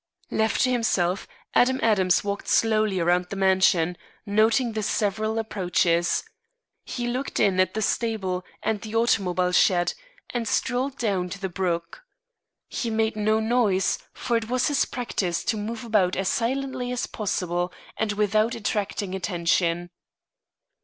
Left to himself, Adam Adams walked slowly around the mansion, noting the several approaches. He looked in at the stable and the automobile shed, and strolled down to the brook. He made no noise, for it was his practice to move about as silently as possible and without attracting attention.